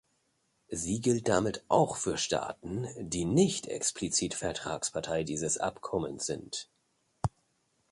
Sie gilt damit auch für Staaten, die nicht explizit Vertragspartei dieses Abkommens sind.